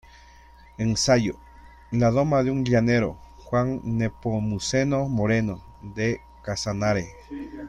Ensayo: "La doma de un llanero: Juan Nepomuceno Moreno, de Casanare"